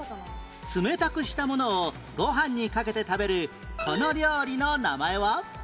冷たくしたものをご飯にかけて食べるこの料理の名前は？